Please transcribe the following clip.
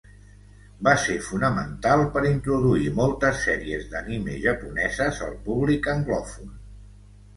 Va ser fonamental per introduir moltes sèries d'anime japoneses al públic anglòfon.